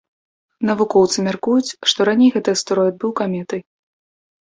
Навукоўцы мяркуюць, што раней гэты астэроід быў каметай.